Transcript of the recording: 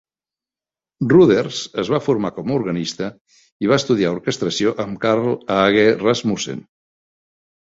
Ruders es va formar com a organista i va estudiar orquestració amb Karl Aage Rasmussen.